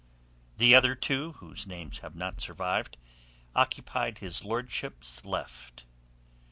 The other two, whose names have not survived, occupied his lordship's left.